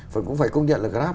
phần cũng phải công nhận là grab